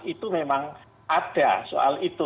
itu memang ada soal itu